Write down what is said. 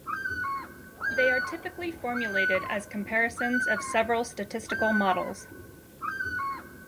They are typically formulated as comparisons of several statistical models.